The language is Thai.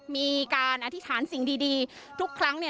มีการอธิษฐานสิ่งดีทุกครั้งเนี่ย